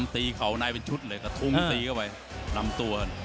เข่าในเป็นชุดเลยกระทุ่มตีเข้าไปลำตัว